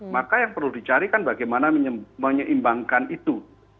maka yang perlu dicarikan bagaimana menyeimbangkan itu